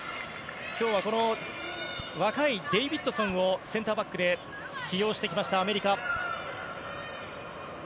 今日はこの若いデイビッドソンをセンターバックで起用してきました、アメリカ。